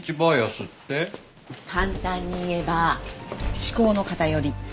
簡単に言えば思考の偏り。